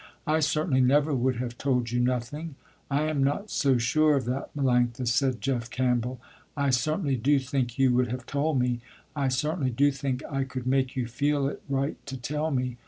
I certainly never would have told you nothing." "I am not so sure of that, Melanctha," said Jeff Campbell. "I certainly do think you would have told me. I certainly do think I could make you feel it right to tell me.